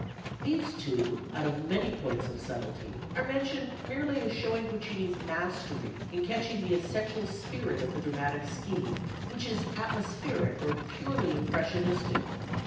These two, out of many points of subtlety, are mentioned merely as showing Puccini's mastery in catching the essential spirit of the dramatic scheme, which is atmospheric, or purely impressionistic.